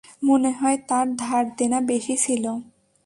মনে হয় তার ধার-দেনা বেশী ছিল।